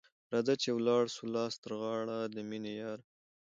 راځه چي ولاړ سو لاس تر غاړه ، د میني یاره